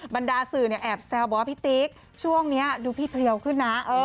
บรรดาสื่อเนี่ยแอบแซวบอกว่าพี่ติ๊กช่วงนี้ดูพี่เพลียวขึ้นนะ